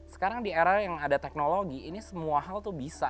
sekarang di era yang ada teknologi ini semua hal itu bisa